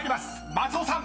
松尾さん］